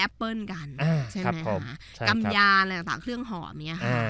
แอปเปิลกันอืมใช่ไหมครับผมใช่ยังตามเครื่องหอมอย่างเงี้ยฮะ